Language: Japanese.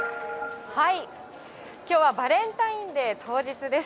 きょうはバレンタインデー当日です。